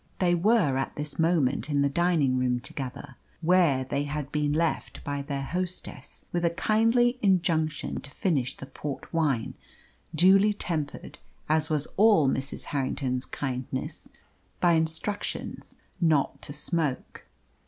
They were at this moment in the dining room together, where they had been left by their hostess with a kindly injunction to finish the port wine, duly tempered as was all Mrs. Harrington's kindness by instructions not to smoke.